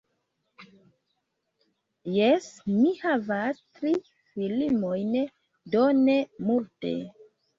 Jes, mi havas tri filmojn, do ne multe